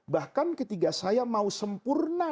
bahkan ketika saya mau sempurna